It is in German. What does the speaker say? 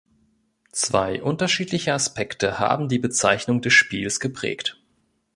Zwei unterschiedliche Aspekte haben die Bezeichnung des Spiels geprägt.